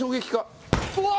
うわ！